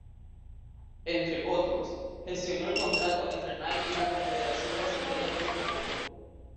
Entre otros, gestionó el contrato entre Nike y la Confederación Brasileña de Fútbol.